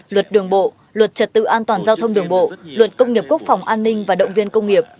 luật đường bộ luật trật tự an toàn giao thông đường bộ luật công nghiệp quốc phòng an ninh và động viên công nghiệp